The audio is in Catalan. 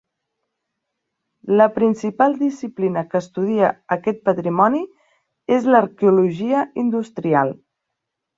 La principal disciplina que estudia aquest patrimoni és l'arqueologia industrial.